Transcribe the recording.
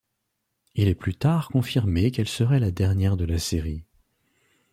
Il est plus tard confirmé qu'elle serait la dernière de la série.